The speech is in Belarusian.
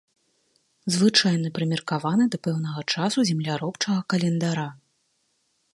Звычайна прымеркаваны да пэўнага часу земляробчага календара.